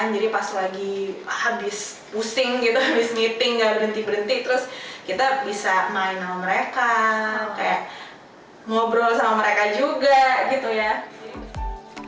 jadi pas lagi habis pusing gitu habis meeting gak berhenti berhenti terus kita bisa main sama mereka kayak ngobrol sama mereka juga gitu ya